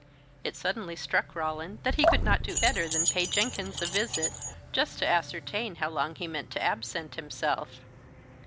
It suddenly struck Roland that he could not do better than pay Jenkins a visit, just to ascertain how long he meant to absent himself.